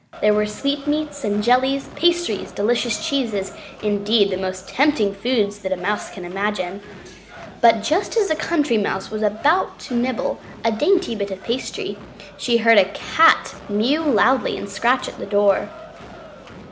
There were sweetmeats and jellies, pastries, delicious cheeses, indeed, the most tempting foods that a Mouse can imagine. But just as the Country Mouse was about to nibble a dainty bit of pastry, she heard a Cat mew loudly and scratch at the door.